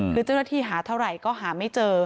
คือเจ้าหน้าที่หาเท่าไหร่ก็หาไม่เจอ